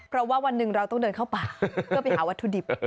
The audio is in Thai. เพราะว่าวันหนึ่งเราต้องเดินเข้าป่าเพื่อไปหาวัตถุดิบ